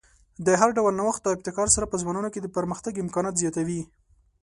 د هر ډول نوښت او ابتکار سره په ځوانانو کې د پرمختګ امکانات زیاتوي.